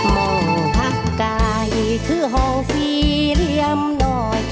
มองพักกายคือห่องสี่เหลี่ยมน้อย